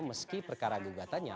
meski perkara gugatannya